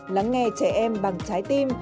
lắng nghe trẻ em bằng trái tim